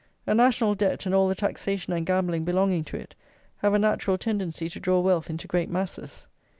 A national debt and all the taxation and gambling belonging to it have a natural tendency to draw wealth into great masses.